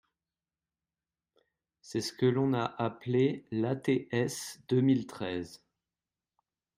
C’est ce que l’on a appelé l’ATS deux mille treize.